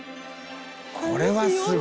これはすごいな。